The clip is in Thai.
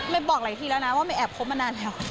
บอกหลายทีแล้วนะว่าไม่แอบคบมานานแล้ว